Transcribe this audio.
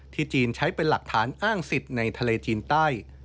จีนใช้เป็นหลักฐานอ้างสิทธิ์ในทะเลจีนใต้